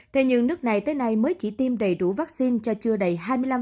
thế nhưng nước này tới nay mới chỉ tiêm đầy đủ vaccine cho chưa đầy hai mươi năm